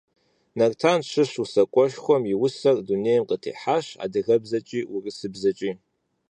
Нартан щыщ усакӀуэшхуэм и усэхэр дунейм къытехьащ адыгэбзэкӀи урысыбзэкӀи.